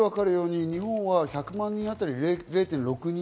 日本は１００万人あたり０．６人。